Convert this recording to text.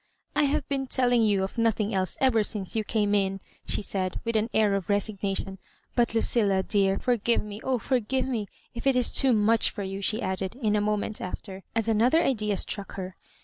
"I bajie been telling you of nothing else ever since you came in," she said, with an air of resigna tion. But, LucilU, dear, forgiye me— oh for give me, if it is too much for you, she added, in a moment after, as another idea struck her.